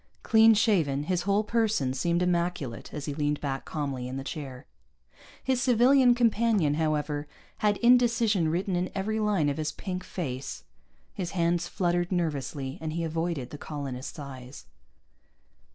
Clean shaven, his whole person seemed immaculate as he leaned back calmly in the chair. His civilian companion, however, had indecision written in every line of his pink face. His hands fluttered nervously, and he avoided the colonist's eyes.